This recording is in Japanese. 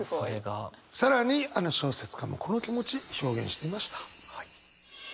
更にあの小説家もこの気持ち表現していました。